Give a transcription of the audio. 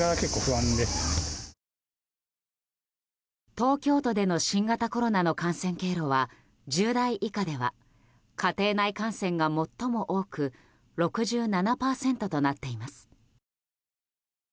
東京都での新型コロナの感染経路は１０代以下では家庭内感染が最も多く６７％となっています。